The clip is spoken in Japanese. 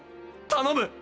頼む！